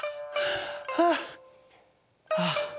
あっああ。